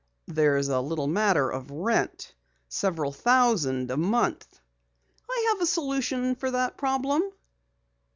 "There's a little matter of rent. Several thousand a month." "I have a solution for that problem."